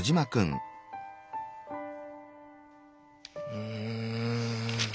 うん。